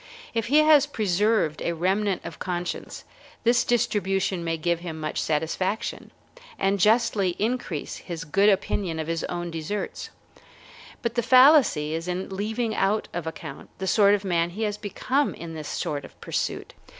If he has preserved a remnant of conscience, this distribution may give him much satisfaction, and justly increase his good opinion of his own deserts; but the fallacy is in leaving out of account the sort of man he has become in this sort of pursuit.